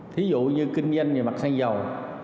thí dụ như kinh doanh về mặt sang dầu